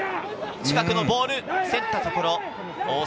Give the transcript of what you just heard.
近くのボール、競ったところを大迫。